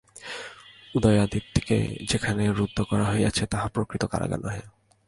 উদয়াদিত্যকে যেখানে রুদ্ধ করা হইয়াছে, তাহা প্রকৃত কারাগার নহে।